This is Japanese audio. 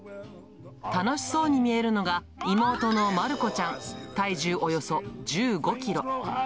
楽しそうに見えるのが、妹のまるこちゃん、体重およそ１５キロ。